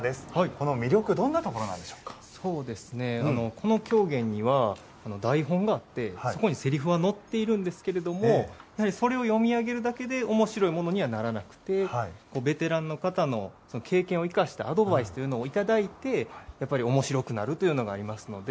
この魅力、どんなところこの狂言には台本があってそこにせりふは載っているんですけれどもやはりそれを読み上げるだけでおもしろいものにはならなくてベテランの方の経験を生かしたアドバイスというのをいただいてやっぱりおもしろくなるというのがありますので。